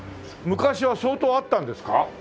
昔は相当あったんですか？